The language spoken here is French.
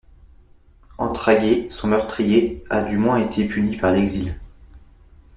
Entraguet, son meurtrier, a du moins été puni par l’exil…